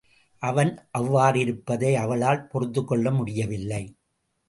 அவன் அவ்வாறிருப்பதை அவளால் பொறுத்துக்கொள்ள முடியவில்லை.